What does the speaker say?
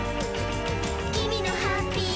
「きみのハッピー」